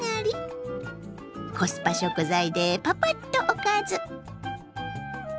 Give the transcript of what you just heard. コスパ食材でパパッとおかず。